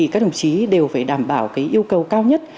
các đồng chí đều phải đảm bảo yêu cầu cao nhất